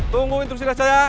tunggu instruksi dari saya